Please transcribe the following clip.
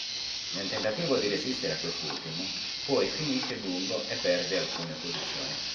Nel tentativo di resistere a quest'ultimo, poi finisce lungo e perde alcune posizioni.